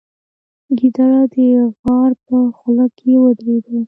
ګیدړه د غار په خوله کې ودرېده.